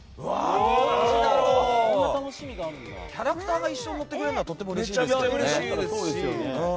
キャラクターが一緒に乗ってくれるのはめちゃめちゃうれしいですよね。